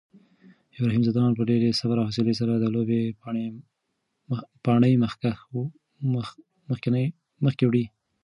ابراهیم ځدراڼ په ډېر صبر او حوصلې سره د لوبې پاڼۍ مخکې وړي.